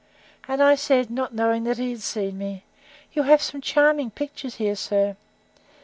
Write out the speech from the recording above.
And I said, not knowing he had seen me, You have some charming pictures here, sir.